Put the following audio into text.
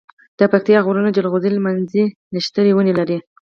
دپکتيا غرونه جلغوزي، لمنځی، نښتر ونی لری